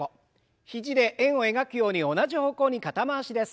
肘で円を描くように同じ方向に肩回しです。